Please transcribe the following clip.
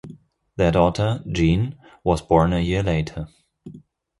Their daughter, Jean, was born a year later.